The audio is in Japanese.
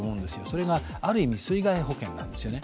それが水害保険なんですよね。